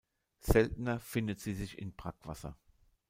Seltener findet sie sich in Brackwasser.